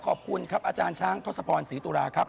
ขอบคุณครับอาจารย์ช้างทศพรศรีตุลาครับ